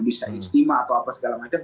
bisa istimewa atau apa segala macam